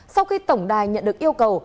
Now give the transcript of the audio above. sau khi tổng đài nhận được yêu cầu